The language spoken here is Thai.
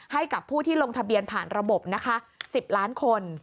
ให้กับผู้ที่ลงทะเบียนผ่านระบบนะคะ๑๐ล้านคน